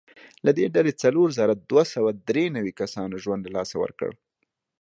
له دې ډلې څلور زره دوه سوه درې نوي کسانو ژوند له لاسه ورکړ.